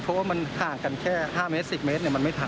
เพราะว่ามันห่างกันแค่๕เมตร๑๐เมตรมันไม่ทัน